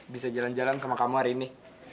bisa jalan jalan sama kamu hari ini